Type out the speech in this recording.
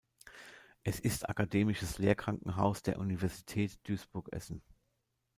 Es ist Akademisches Lehrkrankenhaus der Universität Duisburg-Essen.